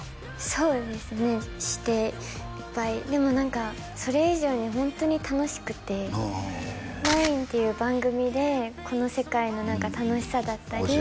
そうですねしていっぱいでも何かそれ以上にホントに楽しくて「まいん」っていう番組でこの世界の楽しさだったり